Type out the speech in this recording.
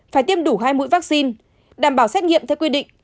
phải tiêm đủ hai mũi vaccine đảm bảo xét nghiệm theo quy định